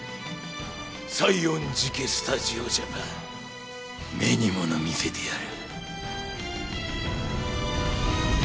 西園寺家スタジオジャパン目に物見せてやる。